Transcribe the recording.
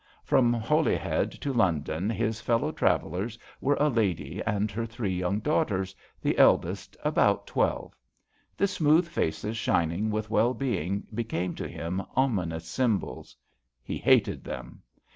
From Holyhead to London his fellow travellers were a lady and her three young daughters, the eldest about twelve. The smooth faces shining with well being became to him ominous symbols. He hated them.